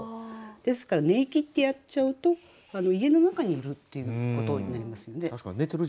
ですから「寝息」ってやっちゃうと家の中にいるっていうようなことになりますよね。